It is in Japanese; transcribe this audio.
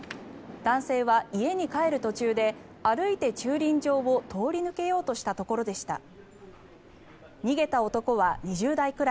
男性は家に帰る途中で歩いて駐輪場を通り抜けようとしたところでした。